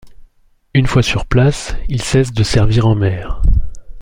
Une fois sur place, il cesse de servir en mer.